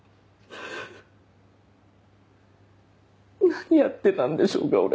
何やってたんでしょうか俺。